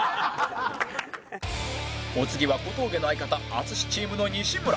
お次は小峠の相方淳チームの西村